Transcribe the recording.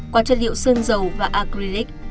qua chất liệu sơn dầu và acrylic